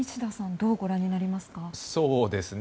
どうご覧になりますか。